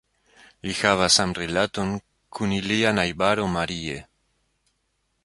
Li havas amrilaton kun ilia najbaro Marie.